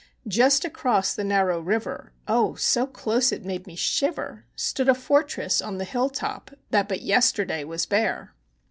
Just across the narrow river oh, so close it made me shiver! Stood a fortress on the hill top that but yesterday was bare.